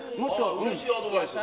うれしいアドバイス。